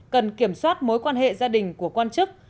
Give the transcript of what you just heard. cần kiểm soát mối quan hệ gia đình của quan chức